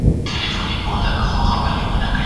د سياست بېلوالی خورا ژوري سياسي پوهي ته اړتيا لري.